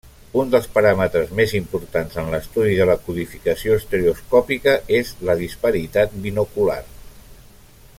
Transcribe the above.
Un dels paràmetres més importants en l'estudi de la codificació estereoscòpica és la disparitat binocular.